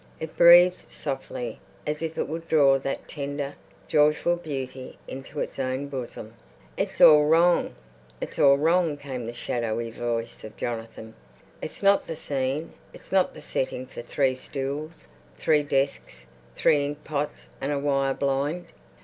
It breathed softly as if it would draw that tender, joyful beauty into its own bosom. "It's all wrong, it's all wrong," came the shadowy voice of Jonathan. "It's not the scene, it's not the setting for... three stools, three desks, three inkpots and a wire blind."